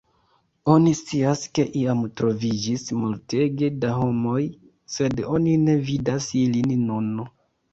Oni scias ke iam troviĝis multege da homoj, sed oni ne vidas ilin nun.